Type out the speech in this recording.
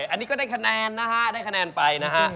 อันนี้ก็ได้คะแนนนะฮะได้คะแนนไปนะฮะ